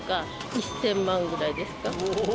１０００万ぐらいですか。